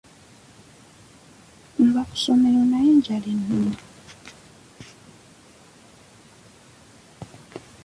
Nva ku ssomero naye enjala ennuma.